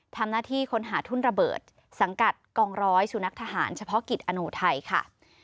ทำหน้าที่ค้นหาทุ่นระเบิดสังกัดกองร้อยสุนัขทหารเฉพาะกิจอโนไทยค่ะ